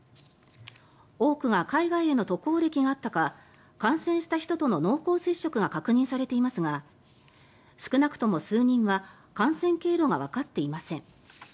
多くが海外への渡航歴があったか感染した人との濃厚接触が確認されていますが少なくとも数人は感染経路がわかっていません。